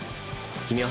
君は？